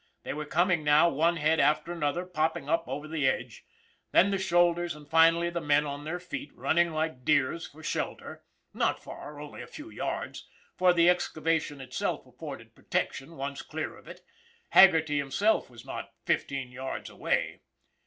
They were coming now, one head after another popping up over the edge, then the shoul ders, and finally the men on their feet running like deers for shelter not far, only a few yards, for the ex cavation itself afforded protection, once clear of it. Haggerty himself was not fifteen yards away.